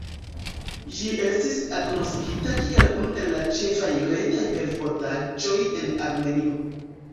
Ĝi estis agnoskita kiel unu el la ĉefaj retaj periodaĵoj en Armenio.